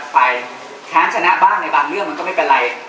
ไปแค้นชนะบ้างในบางเรื่องมันก็ไม่เป็นไร